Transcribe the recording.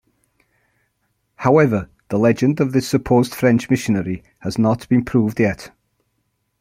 However the legend of this supposed French missionary has not been proved yet.